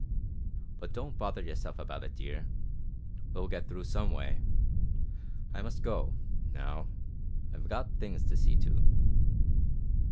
But don't bother yourself about it, dear we'll get through some way. I must go, now I've got things to see to."